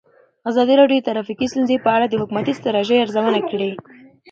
ازادي راډیو د ټرافیکي ستونزې په اړه د حکومتي ستراتیژۍ ارزونه کړې.